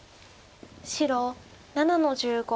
白７の十五。